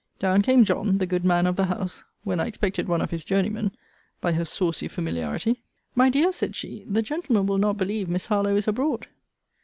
Down came John, the good man of the house, when I expected one of his journeymen, by her saucy familiarity. My dear, said she, the gentleman will not believe Miss Harlowe is abroad.